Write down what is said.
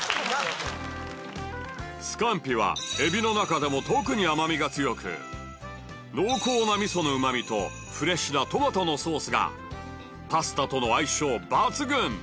スカンピはエビの中でも特に甘みが強く濃厚なミソのうまみとフレッシュなトマトのソースがパスタとの相性抜群！